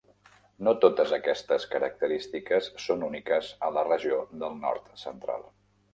No totes aquestes característiques són úniques a la regió del nord central.